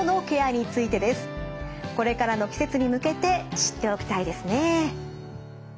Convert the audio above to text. これからの季節に向けて知っておきたいですね。